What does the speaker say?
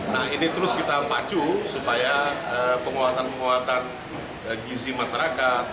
nah ini terus kita pacu supaya penguatan penguatan gizi masyarakat